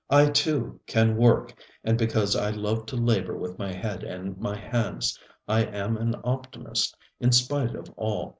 I, too, can work, and because I love to labor with my head and my hands, I am an optimist in spite of all.